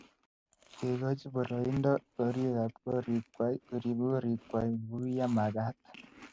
Kekoch boroindo korib gorikwai. Korib gorikwai kouye magat